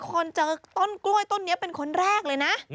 เราก็เล่าให้ฟังบอกว่าตัวเองเป็นคนเจอกต้นกล้วยต้นนี้เป็นคนแรกเลยนะ